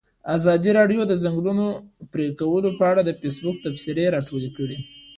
ازادي راډیو د د ځنګلونو پرېکول په اړه د فیسبوک تبصرې راټولې کړي.